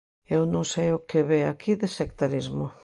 Eu non sei o que ve aquí de sectarismo.